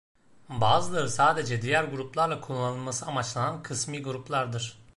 Bazıları sadece diğer gruplarla kullanılması amaçlanan kısmi gruplardır.